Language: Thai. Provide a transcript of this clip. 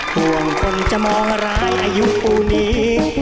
ห่วงคนจะมองร้ายอายุปูนี้